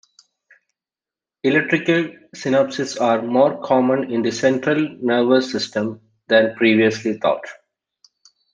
Electrical synapses are more common in the central nervous system than previously thought.